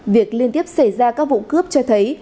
việc liên tiếp xảy ra các vụ cướp cho thấy